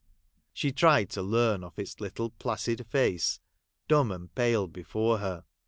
She tried to learn off its little placid face, dumb and pale before her.